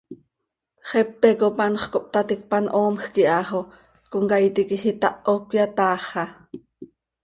Xepe cop anxö cohptaticpan, hoomjc iha xo comcaii tiquij itaho, cöyataaxa.